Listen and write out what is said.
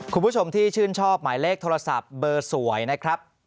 คุณผู้ชมที่ชื่นชอบหมายเลขโทรศัพท์เบอร์สวยนะครับ